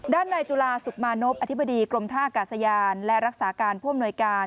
ด้านในจุฬาสุขมานพอธิบดีกรมท่ากาศยานและรักษาการผู้อำนวยการ